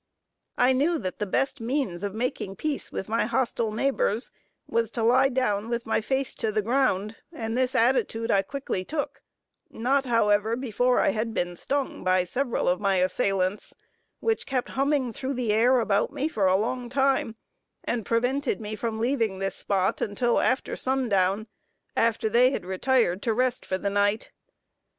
I knew that the best means of making peace with my hostile neighbors, was to lie down with my face to the ground, and this attitude I quickly took, not however before I had been stung by several of my assailants, which kept humming through the air about me for a long time, and prevented me from leaving this spot until after sundown, and after they had retired to rest for the night.